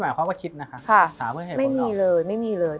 มันทำให้ชีวิตผู้มันไปไม่รอด